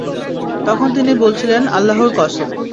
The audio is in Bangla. তখন তিনি বলছিলেন, আল্লাহর কসম!